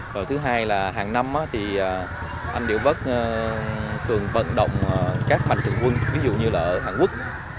rồi thứ hai là hàng năm thì anh đều bất thường vận động các mạnh thường quân ví dụ như là ở hàn quốc